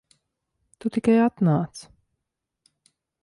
Tu tikai atnāc.